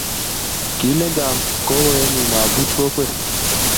kilenchon kokoenyu abuch kokwet